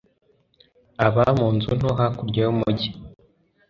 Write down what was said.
aba mu nzu nto hakurya y'umujyi.